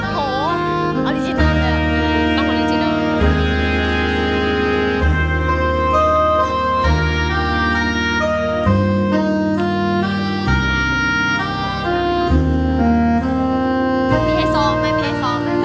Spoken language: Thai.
ใช้สองไม่ใช่สอง